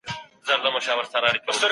لويديځ پوهان د هغه ډېر درناوی کوي.